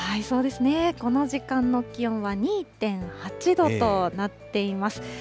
そうですね、この時間の気温は２．８度となっています。